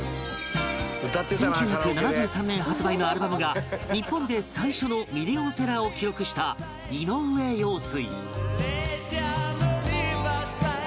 １９７３年発売のアルバムが日本で最初のミリオンセラーを記録した井上陽水